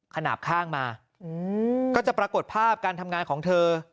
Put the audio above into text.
ขนาดข้างมาก็จะปรากฏภาพการทำงานของเธอ